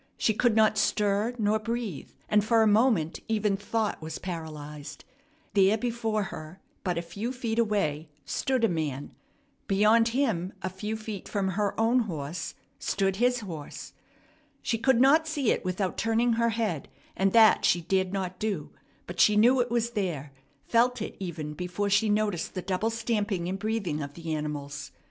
She could not stir nor breathe, and for a moment even thought was paralyzed. There before her but a few feet away stood a man! Beyond him, a few feet from her own horse, stood his horse. She could not see it without turning her head, and that she dared not do; but she knew it was there, felt it even before she noticed the double stamping and breathing of the animals.